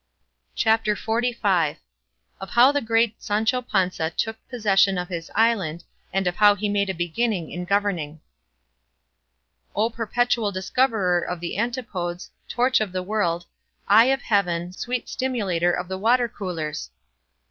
CHAPTER XLV. OF HOW THE GREAT SANCHO PANZA TOOK POSSESSION OF HIS ISLAND, AND OF HOW HE MADE A BEGINNING IN GOVERNING O perpetual discoverer of the antipodes, torch of the world, eye of heaven, sweet stimulator of the water coolers!